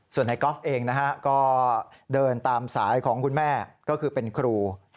ส่วนนายกอล์ฟเองนะฮะก็เดินตามสายของคุณแม่ก็คือเป็นครู